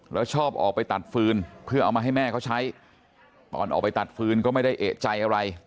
แล้วชอบออกไปตัดฟืนเพื่อเอามาให้แม่เขาใช้ตอนออกไปตัดฟืนก็ไม่ได้เอกใจอะไร